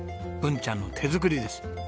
文ちゃんの手作りです。